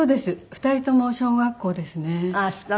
２人とも小学校ですね。